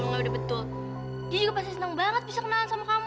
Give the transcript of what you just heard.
enggak udah betul dia juga pasti senang banget bisa kenalan sama kamu